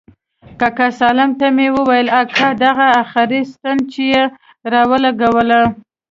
کاکا سالم ته مې وويل اكا دغه اخري ستن چې يې راولګوله.